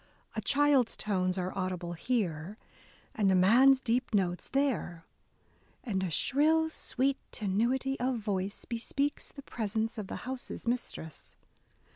A child's tones are audible here, and a man's deep notes there ; and a shrill, sweet tenuity of voice" bespeaks the presence of the house's mistress.